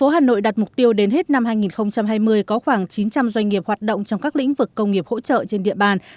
hà nội đặt mục tiêu đến hết năm hai nghìn hai mươi có khoảng chín trăm linh doanh nghiệp hoạt động trong các lĩnh vực công nghiệp hỗ trợ trên địa bàn